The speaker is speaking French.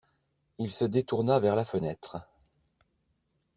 Il se détourna vers la fenêtre.